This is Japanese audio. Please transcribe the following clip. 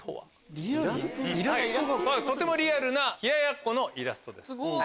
とてもリアルな冷奴のイラストです。